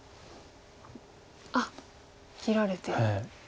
あっ切られて。